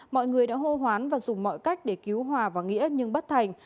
mọi người đã hô hoán và dùng mọi cách để cứu hòa và nghĩa nhưng bất thành